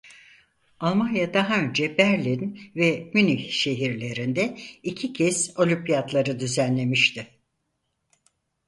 Almanya daha önce Berlin ve Münih şehirleriyle iki kez Olimpiyatları düzenlemişti.